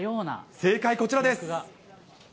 正解、こちらです。